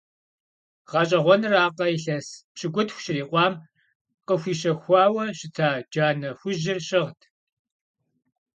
ГъэщӀэгъуэныракъэ, илъэс пщыкӀутху щрикъуам къыхуищэхуауэ щыта джанэ хужьыр щыгът.